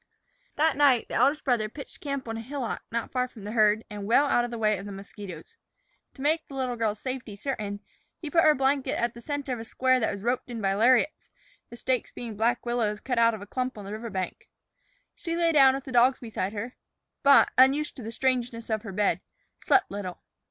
That night the eldest brother pitched camp on a hillock not far from the herd and well out of way of the mosquitos. To make the little girl's safety certain, he put her blankets at the center of a square that was roped in by lariats, the stakes being black willows cut from a clump on the river bank. She lay down with the dogs beside her, but, unused to the strangeness of her bed, slept little.